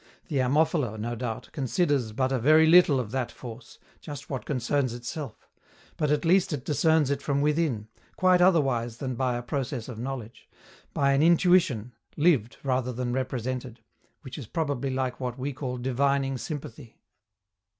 The Ammophila, no doubt, discerns but a very little of that force, just what concerns itself; but at least it discerns it from within, quite otherwise than by a process of knowledge by an intuition (lived rather than represented), which is probably like what we call divining sympathy.